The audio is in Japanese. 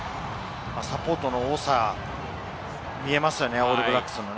サポートの多さが見えますね、オールブラックスの。